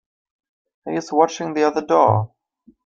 He's watching the other door.